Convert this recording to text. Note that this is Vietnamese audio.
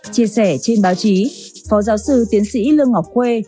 chia sẻ trên báo chí phó giáo sư tiến sĩ lương ngọc khuê